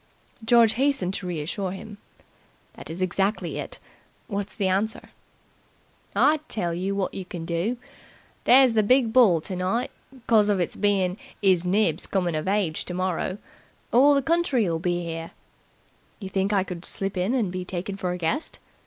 George hastened to reassure him. "That is exactly it. What's the answer?" "I'll tell yer wot you can do. There's the big ball tonight 'cos of its bein' 'Is Nibs' comin' of age tomorrow. All the county'll be 'ere." "You think I could slip in and be taken for a guest?"